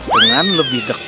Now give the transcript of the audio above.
dengan lebih baik